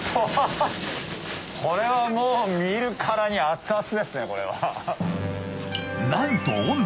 これはもう見るからに熱々ですね。